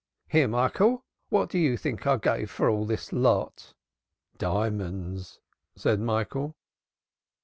"Here, Michael, what do you think I gave for all this lot?" "Diamonds!" said Michael.